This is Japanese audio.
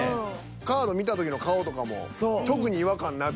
カード見た時の顔とかも特に違和感なく。